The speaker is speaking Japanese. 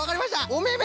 おめめ！